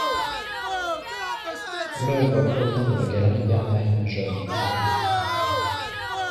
L'œuvre provient de la Galerie Bernheim Jeune, Paris.